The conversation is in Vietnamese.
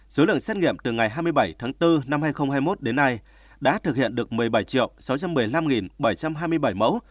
số lượng xét nghiệm từ ngày hai mươi bảy tháng bốn năm hai nghìn hai mươi một đến nay đã thực hiện được một mươi bảy ca